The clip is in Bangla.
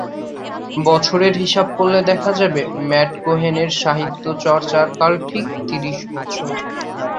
বছরের হিসেব করলে দেখা যাবে ম্যাট কোহেনের সাহিত্য-চর্চার কাল ঠিক ত্রিশ বছর।